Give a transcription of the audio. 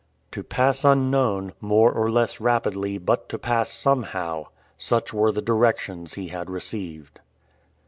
To pass unknown, more or less rapidly, but to pass somehow, such were the directions he had received.